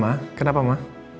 waalaikumsalam ma kenapa ma